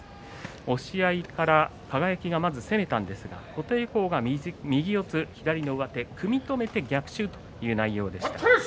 押し合いから輝がまず攻めたんですが琴恵光が、右四つ左の上手に組み止めて逆襲そういう内容でした。